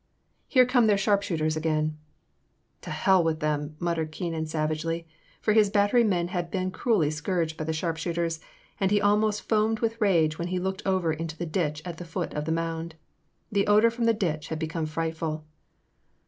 here come their sharpshooters again !"To hell with them !" muttered Keenan sav agely, for his battery men had been cruelly scourged by the sharpshooters, and he almost foamed with rage when he looked over into the ditch at the foot of the mound. The odour from the ditch had become frightful.